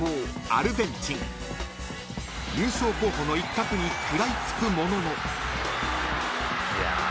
［優勝候補の一角に食らいつくものの］